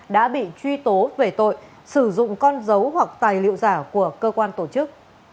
đã bị truy tố về tội sử dụng con dấu hoặc tài liệu giả của cơ quan tổ chức